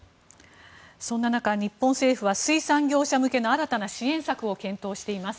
そんな中、日本政府は水産業者向けの新たな支援策を検討しています。